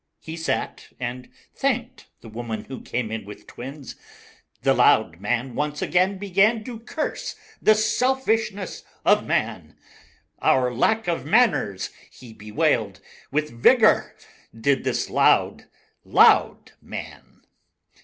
He sat, and thanked The Woman Who Came in with Twins. The Loud Man once again began To curse the selfishness of man; Our lack of manners he bewailed With vigor, did this Loud, Loud Man.